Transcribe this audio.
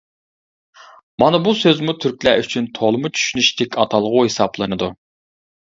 مانا بۇ سۆزمۇ تۈركلەر ئۈچۈن تولىمۇ چۈشىنىشلىك ئاتالغۇ ھېسابلىنىدۇ.